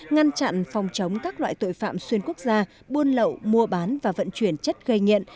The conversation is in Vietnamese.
ngăn chặn phòng chống các loại tội phạm xuyên quốc gia buôn lậu mua bán và vận chuyển chất gây nghiện